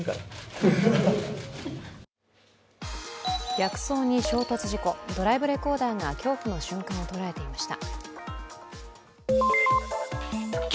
逆走に衝突事故、ドライブレコーダーが恐怖の瞬間を捉えていました。